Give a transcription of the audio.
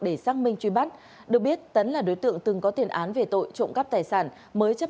để xác minh truy bắt được biết tấn là đối tượng từng có tiền án về tội trộm cắp tài sản mới chấp